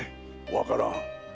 わからん。